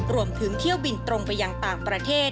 รวมถึงเที่ยวบินตรงไปยังต่างประเทศ